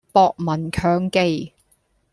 博聞強記